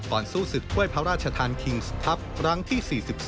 ก่อนสู้ศึกเว่ยพระราชธรรมคิงส์ทัพรังที่๔๔